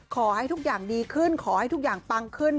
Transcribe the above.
ขอให้ทุกอย่างดีขึ้นขอให้ทุกอย่างปังขึ้น